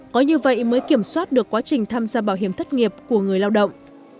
có như vậy mới kiểm soát được quá trình tham gia bảo hiểm thất nghiệp của người lao động